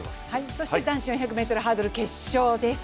そして男子４００ｍハードル決勝です。